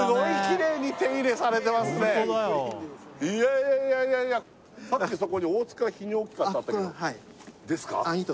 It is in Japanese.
いやいやいやいやいやさっきそこに大塚泌尿器科ってあったけどあっはいですか？